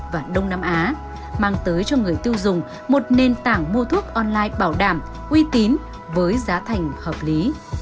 và đông nam á mang tới cho người tiêu dùng một nền tảng mua thuốc online bảo đảm uy tín với giá thành hợp lý